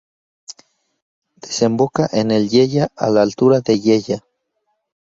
Desemboca en el Yeya a la altura de Yeya.